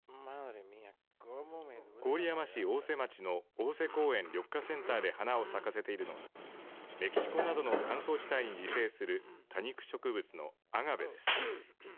郡山市逢瀬町の逢瀬公園・緑化センターで花を咲かせているのはメキシコなどの乾燥地帯に自生する多肉植物のアガベです。